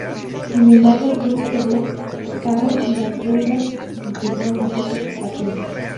Sin embargo, el club quedó octavo y las deudas empezaron a hacerse patentes.